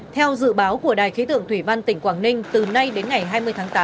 theo dự báo của đài khí tượng thủy văn tỉnh quảng ninh từ nay đến ngày hai mươi tháng tám